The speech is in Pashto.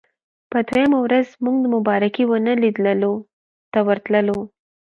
په دویمه ورځ موږ د مبارکې ونې لیدلو ته ورتللو.